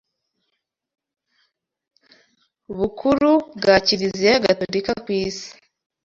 bukuru bwa Kiliziya Gatolika ku isi